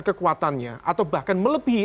kekuatannya atau bahkan melebihi